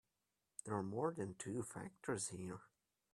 There are more than two factors here.